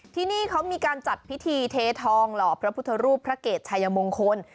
ที่นี่เขามีการจัดพิธีเททองหล่อพระพุทธรูปพระเกตชายมงคล